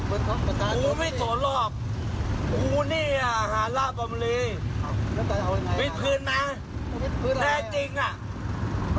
มึงรู้จักฐานหลาปลาบุรีป่าว